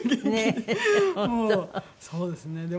もうそうですね。